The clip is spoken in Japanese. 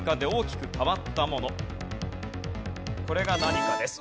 これが何かです。